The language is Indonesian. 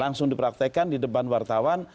langsung dipraktekan di depan wartawan